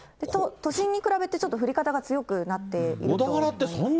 都心に比べてちょっと降り方が強くなっていると。